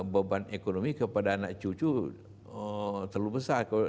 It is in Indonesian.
beban ekonomi kepada anak cucu terlalu besar